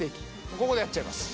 ここでやっちゃいます